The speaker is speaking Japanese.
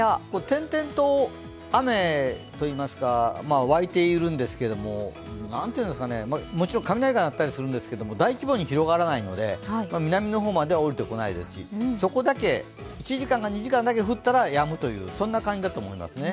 転々と雨、といいますかわいているんですが何て言うんですかね、もちろん雷は鳴ったりするんですけれども大規模に広がらないので南の方までは降りてこないですしそこだけ１時間だけ２時間だけ降ったらやむとそんな感じだと思いますね。